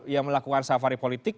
yang melakukan safari politik